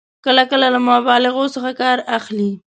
کله کله له مبالغو څخه کار اخلي.